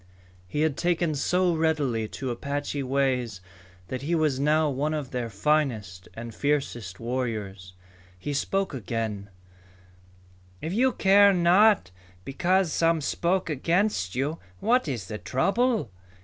He had taken so readily to Apache ways that he was now one of their finest and fiercest warriors. He spoke again: "If you care not because some spoke against you, what is the trouble?